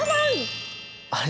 あれ？